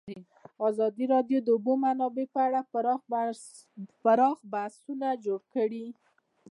ازادي راډیو د د اوبو منابع په اړه پراخ بحثونه جوړ کړي.